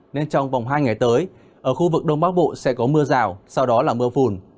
nên trong vòng hai ngày tới ở khu vực đông bắc bộ sẽ có mưa rào sau đó là mưa phùn